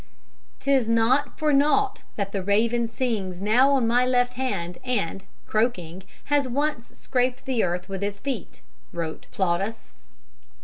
"'Tis not for nought that the raven sings now on my left and, croaking, has once scraped the earth with his feet," wrote Plautus.